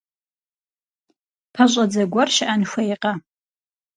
ПэщӀэдзэ гуэр щыӀэн хуейкъэ?